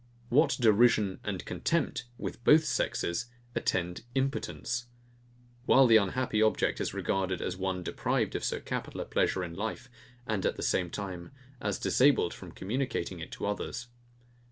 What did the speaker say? What derision and contempt, with both sexes, attend IMPOTENCE; while the unhappy object is regarded as one deprived of so capital a pleasure in life, and at the same time, as disabled from communicating it to others.